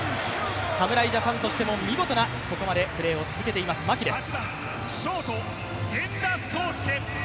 侍ジャパンとしても見事なここまでプレーを続けています、牧です。